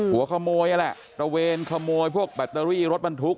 หัวขโมยนั่นแหละตระเวนขโมยพวกแบตเตอรี่รถบรรทุก